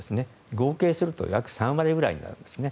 合計すると約３割ぐらいになりますね。